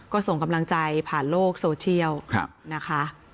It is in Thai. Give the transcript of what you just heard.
ก็ส่งกำลังใจผ่านโลกโซเชียลนะคะ